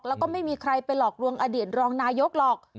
แล้วก็ไม่มีใครไปหลอกลวงอดีตรองนายกหรอก